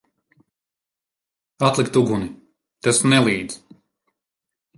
Atlikt uguni! Tas nelīdz.